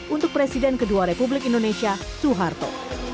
untuk presiden kedua republik indonesia suharto